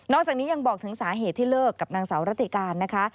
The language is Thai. จากนี้ยังบอกถึงสาเหตุที่เลิกกับนางสาวรัติการนะคะ